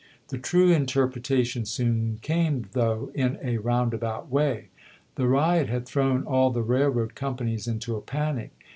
The true interpretation soon came, though in a roundabout way. The riot had thrown all the rail road companies into a panic.